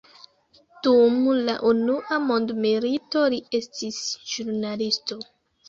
Dum la Unua mondmilito, li estis ĵurnalisto.